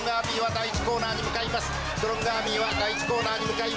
第１コーナーに向かいます